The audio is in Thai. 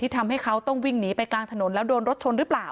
ทำให้เขาต้องวิ่งหนีไปกลางถนนแล้วโดนรถชนหรือเปล่า